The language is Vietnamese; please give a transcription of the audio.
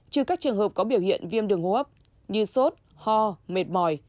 trừ các trường hợp có biểu hiện viêm đường hô hấp như sốt ho mệt mỏi